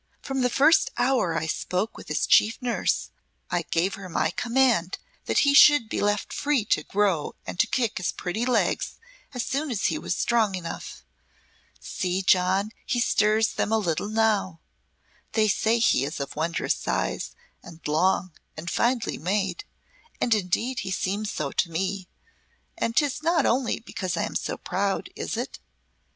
"From the first hour I spoke with his chief nurse, I gave her my command that he should be left free to grow and to kick his pretty legs as soon as he was strong enough. See, John, he stirs them a little now. They say he is of wondrous size and long and finely made, and indeed he seems so to me and 'tis not only because I am so proud, is it?"